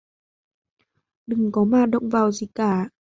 Đừng có mà động vào gì cả